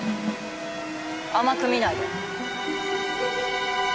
甘く見ないで。